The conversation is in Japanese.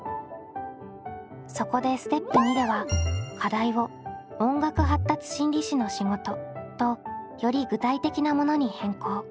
そこでステップ②では課題を「音楽発達心理士の仕事」とより具体的なものに変更。